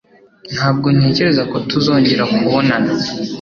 Ntabwo ntekereza ko tuzongera kubonana.